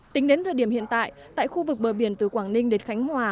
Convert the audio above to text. tính đến thời điểm hiện tại tại khu vực bờ biển từ quảng ninh đến khánh hòa